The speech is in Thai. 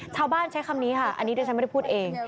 ใช้คำนี้ค่ะอันนี้เดี๋ยวฉันไม่ได้พูดเอง